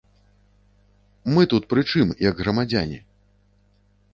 Мы тут прычым, як грамадзяне?